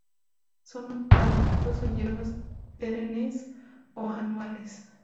Son arbustos o hierbas perennes o anuales.